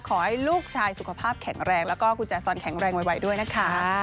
ขอให้ลูกชายสุขภาพแข็งแรงแล้วก็กุญแจซอนแข็งแรงไวด้วยนะคะ